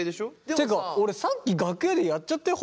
っていうか俺さっき楽屋でやっちゃったよ